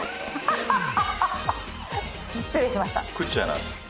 失礼しました。